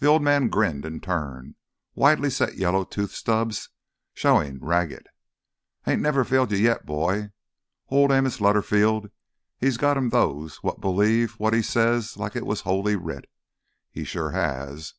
The old man grinned in turn, widely set yellow tooth stubs showing ragged. "Ain't never failed you yet, boy. Old Amos Lutterfield, he's got him those wot believe wot he says like it was Holy Writ—he sure has!